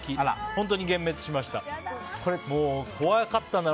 本当に幻滅しました。